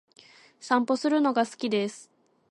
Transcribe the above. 散歩するのが好きです。